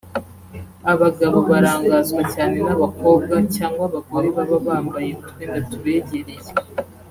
Abagabo barangazwa cyane n’abakobwa cyangwa abagore baba bambaye utwenda tubegereye